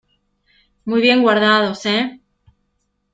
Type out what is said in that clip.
muy bien guardados, ¿ eh?